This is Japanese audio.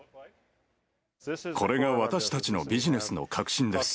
これが私たちのビジネスの核心です。